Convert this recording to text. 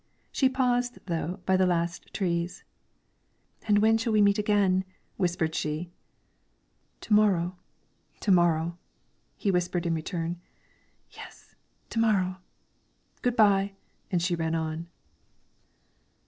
She paused, though, by the last trees. "And when shall we meet again?" whispered she. "To morrow, to morrow!" he whispered in return. "Yes; to morrow." "Good by," and she ran on.